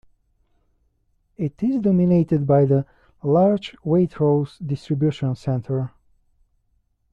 It is dominated by the large Waitrose distribution centre.